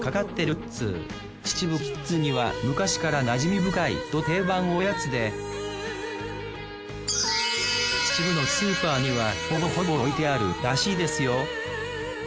っつう秩父キッズには昔から馴染み深いど定番おやつで秩父のスーパーにはほぼほぼ置いてあるらしいですよ。